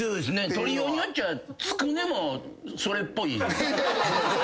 取りようによっちゃつくねもそれっぽい。